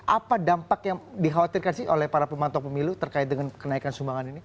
apa dampak yang dikhawatirkan sih oleh para pemantau pemilu terkait dengan kenaikan sumbangan ini